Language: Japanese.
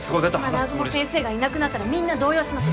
今南雲先生がいなくなったらみんな動揺します